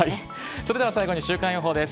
それでは週間予報です。